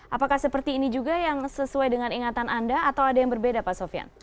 apakah seperti ini juga yang sesuai dengan ingatan anda atau ada yang berbeda pak sofian